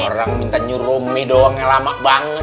orang minta nyuruh mie doangnya lama banget